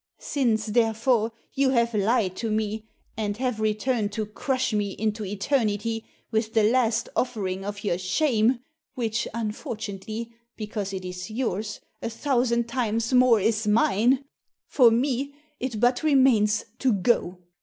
Since, therefore, you have lied to me, and have returned to crush me, unto eternity, with the last offering of your shame — which, unfortunately, because it is yours, a thousand times more is mine I — for me it but remains to go!"